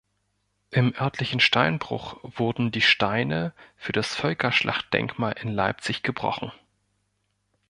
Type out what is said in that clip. Im örtlichen Steinbruch wurden die Steine für das Völkerschlachtdenkmal in Leipzig gebrochen.